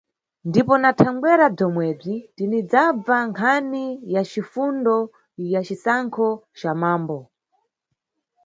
Ndipo na thangwera bzomwebzi tinidzabva nkhani ya cifundo ya cisankho ca mambo.